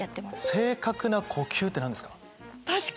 正確な呼吸って何ですか？